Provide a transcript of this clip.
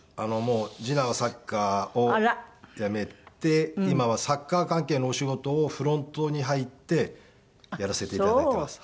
次男はサッカーをやめて今はサッカー関係のお仕事をフロントに入ってやらせて頂いてます。